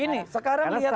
gini sekarang lihat saja